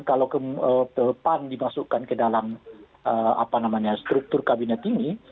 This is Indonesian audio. kalau pan dimasukkan ke dalam struktur kabinet ini